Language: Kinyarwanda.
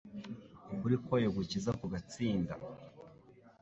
ukuri kwayo gukiza kugatsinda,